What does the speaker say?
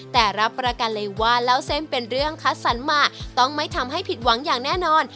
แต่รับประกันเลยว่าเล่าเส้นเป็นเรื่องคัดสรรมาต้องไม่ทำให้ผิดหวังอย่างแน่นอน